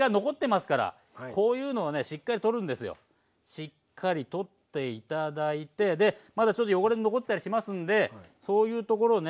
しっかり取って頂いてまだちょっと汚れも残ってたりしますんでそういうところをね